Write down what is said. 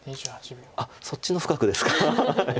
あっそっちの深くですか。